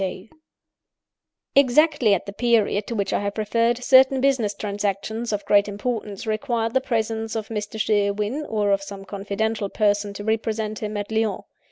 "Exactly at the period to which I have referred, certain business transactions of great importance required the presence of Mr. Sherwin, or of some confidential person to represent him, at Lyons.